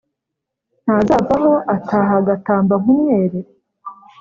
Ntazavaho ataha Agatamba nk’umwere?